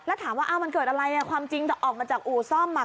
แล้วถามว่ามันเกิดอะไรอ่ะความจริงแต่ออกมาจากอู่ซ่อมอ่ะ